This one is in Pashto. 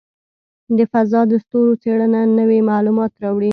د فضاء د ستورو څېړنه نوې معلومات راوړي.